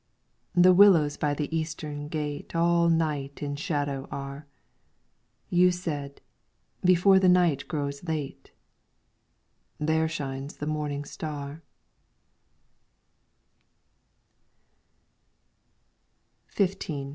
The willows by the Eastern Gate All night in shadow are. You said ' Before the night grows late,' There shines the morning star.